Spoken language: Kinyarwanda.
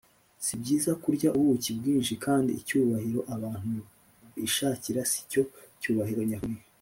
si byiza kurya ubuki bwinshi, kandi icyubahiro abantu bishakira si cyo cyubahiro nyakuri